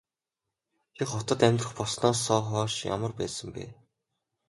Чи хотод амьдрах болсноосоо хойш ямар байсан бэ?